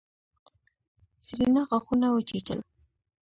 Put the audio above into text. سېرېنا غاښونه وچيچل.